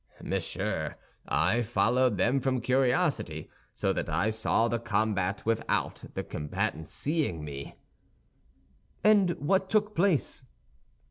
"Monsieur, I followed them from curiosity, so that I saw the combat without the combatants seeing me." "And what took place?"